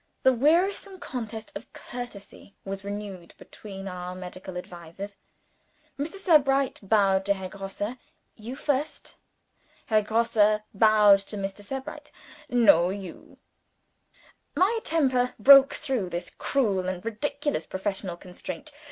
The wearisome contest of courtesy was renewed between our medical advisers. Mr. Sebright bowed to Herr Grosse: "You first." Herr Grosse bowed to Mr. Sebright: "No you!" My impatience broke through this cruel and ridiculous professional restraint.